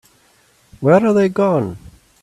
Where are they gone?